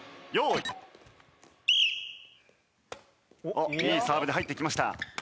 いいサーブで入っていきました。